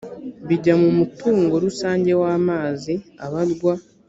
bijya mu mutungo rusange w amazi abarwa